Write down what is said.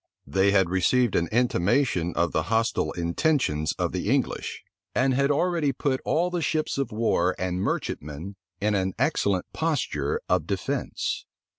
They had received an intimation of the hostile intentions of the English, and had already put all the ships of war and merchantmen in an excellent posture of defence.